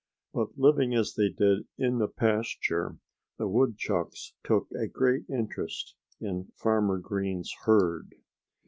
But living as they did in the pasture, the woodchucks took a great interest in Farmer Green's herd.